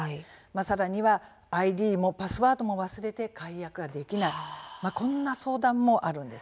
さらにはＩＤもパスワードも忘れて解約ができないこんな相談もあるんです。